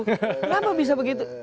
kenapa bisa begitu